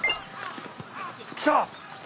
来た。